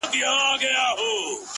کابل ورانېږي’ کندهار ژاړي’ زابل ژاړي’